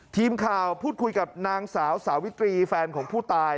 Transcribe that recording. ทีมข่าวพูดคุยกับนางสาวสาวิตรีแฟนของผู้ตาย